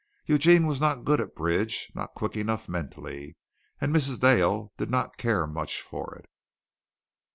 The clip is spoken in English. Eugene was not good at bridge, not quick enough mentally, and Mrs. Dale did not care much for it.